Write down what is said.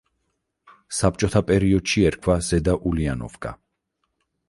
საბჭოთა პერიოდში ერქვა ზედა ულიანოვკა.